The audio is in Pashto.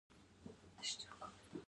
د لمر ګل کښت څنګه وکړم؟